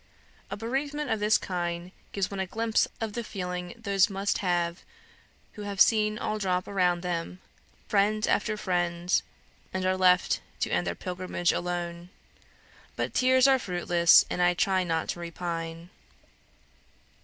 A bereavement of this kind gives one a glimpse of the feeling those must have who have seen all drop round them, friend after friend, and are left to end their pilgrimage alone. But tears are fruitless, and I try not to repine."